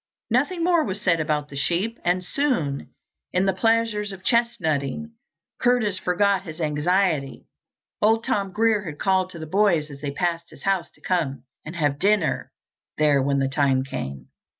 Nothing more was said about the sheep, and soon, in the pleasures of chestnutting, Curtis forgot his anxiety. Old Tom Grier had called to the boys as they passed his house to come back and have dinner there when the time came.